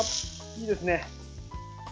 いいですね。